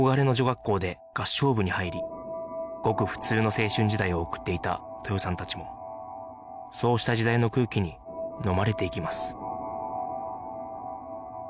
学校で合唱部に入りごく普通の青春時代を送っていた豊さんたちもそうした時代の空気にのまれていきます